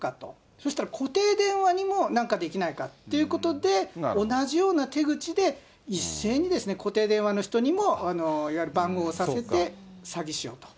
そうしたら固定電話にもなんかできないかということで、同じような手口で一斉に固定電話の人にもいわゆる番号を押させて詐欺しようと。